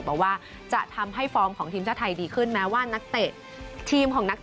บอกว่าจะทำให้ฟอร์มของทีมชาติไทยดีขึ้นแม้ว่านักเตะทีมของนักเ